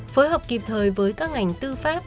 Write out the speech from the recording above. phối hợp kịp thời với các ngành tư pháp